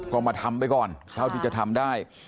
ก็มาทำไปก่อนเท่าที่จะทำได้